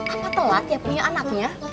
apa telat ya punya anaknya